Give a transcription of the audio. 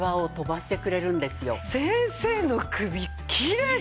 先生の首きれいですね！